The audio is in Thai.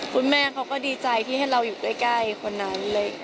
คุณแม่เขาก็ดีใจที่ให้เราอยู่ใกล้คนนั้น